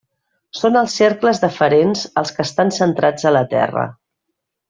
Són els cercles deferents els que estan centrats a la Terra.